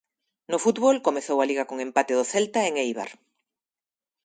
No fútbol, comezou a Liga con empate do Celta en Eibar.